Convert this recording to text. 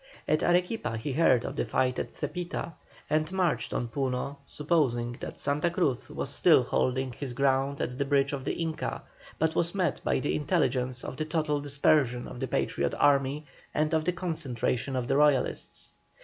At Arequipa he heard of the fight at Zepita, and marched on Puno supposing that Santa Cruz was still holding his ground at the bridge of the Inca, but was met by the intelligence of the total dispersion of the Patriot army, and of the concentration of the Royalists.